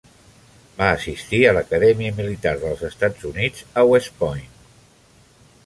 Va assistir a l'Acadèmia Militar dels Estats Units a West Point.